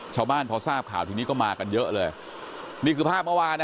ชาวบ้านพอทราบข่าวทีนี้ก็มากันเยอะเลยนี่คือภาพเมื่อวานนะ